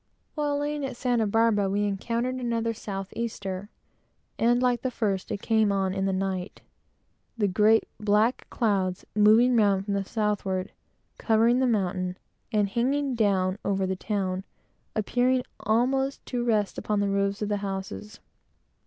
While lying at Santa Barbara, we encountered another south easter; and, like the first, it came on in the night; the great black clouds coming round from the southward, covering the mountain, and hanging down over the town, appearing almost to rest upon the roofs of the houses.